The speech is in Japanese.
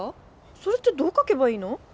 それってどう書けばいいの？